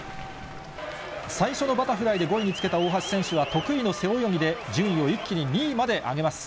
最初のバタフライで５位につけた大橋選手は得意の背泳ぎで、順位を一気に２位まで上げます。